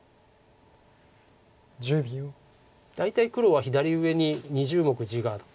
大体黒は左上に２０目地があって。